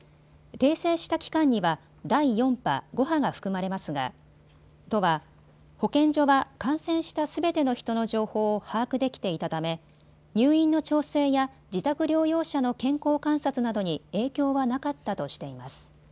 訂正した期間には第４波、５波が含まれますが都は保健所は感染したすべての人の情報を把握できていたため入院の調整や自宅療養者の健康観察などに影響はなかったとしています。